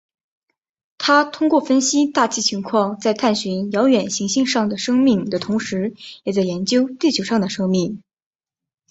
他通过分析大气情况在探寻遥远行星上的生命的同时也在研究地球上的生命。